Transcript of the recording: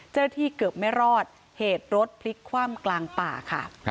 เจ้าหน้าที่เกือบไม่รอดเหตุรถพลิกคว่ำกลางป่าค่ะ